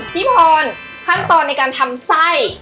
พี่พรขั้นตอนในการทำไส้